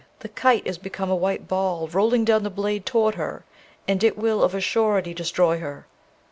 The kite is become a white ball, rolling down the blade toward her; and it will of a surety destroy her.'